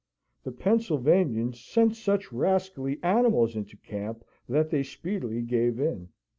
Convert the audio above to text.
The Pennsylvanians sent such rascally animals into camp that they speedily gave in.